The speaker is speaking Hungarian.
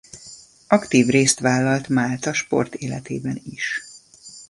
Aktív részt vállalt Málta sportéletében is.